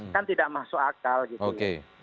kan tidak masuk akal gitu ya